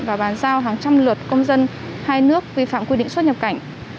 và bàn giao hàng trăm lượt công dân hai nước vi phạm quy định xuất nhập cảnh